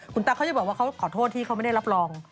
คุณตั๊กเขาจะบอกว่าเขาขอโทษที่เขาไม่ได้รับรอง